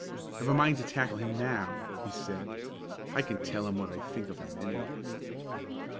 "I've a mind to tackle him now," he said. "I can tell him what I think of him, anyway."